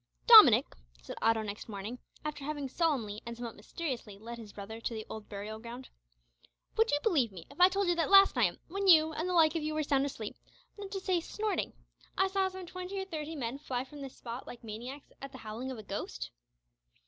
"Dominick," said Otto, next morning, after having solemnly and somewhat mysteriously led his brother to the old burial ground, "would you believe me if I told you that last night, when you and the like of you were sound asleep, not to say snoring, I saw some twenty or thirty men fly from this spot like maniacs at the howling of a ghost?"